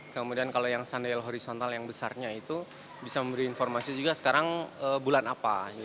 kemudian kalau yang sundail horizontal yang besarnya itu bisa memberi informasi juga sekarang bulan apa